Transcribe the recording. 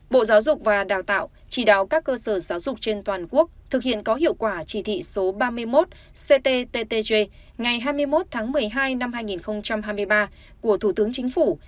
bộ giáo dục và đào tạo chỉ đạo các cơ sở giáo dục trên toàn quốc thực hiện có hiệu quả chỉ thị số ba mươi một cttg ngày hai mươi một tháng một mươi hai năm hai nghìn hai mươi ba của thủ tướng chính phủ